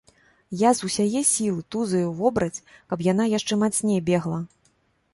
Я з усяе сілы тузаю вобраць, каб яна яшчэ мацней бегла.